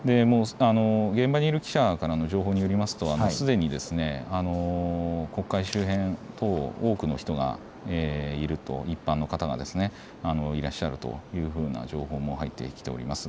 現場にいる記者からの情報によりますと、すでに国会周辺等、多くの人がいると、一般の方がですねいらっしゃるというふうな情報も入ってきております。